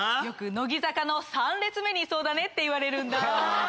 よく乃木坂の３列目にいそうだねって言われるんだ。